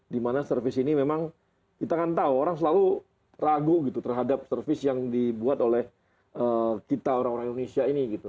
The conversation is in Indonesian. dimana service ini memang kita kan tahu orang selalu ragu gitu terhadap service yang dibuat oleh kita orang orang indonesia ini gitu